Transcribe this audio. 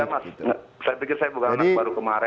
udah mas saya pikir saya bukan anak baru kemarin